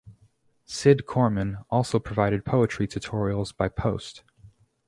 Cid Corman also provided poetry tutorials by post.